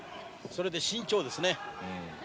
それで慎重ですね。